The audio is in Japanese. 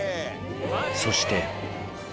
そして。